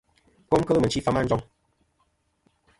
Kom kel mɨ̀nchi fama a njoŋ.